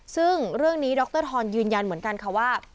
ซึ่งเรื่องนี้ดรทรยืนยันเหมือนกันค่ะว่า